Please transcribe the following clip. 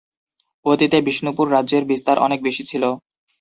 অতীতে বিষ্ণুপুর রাজ্যের বিস্তার অনেক বেশি ছিল।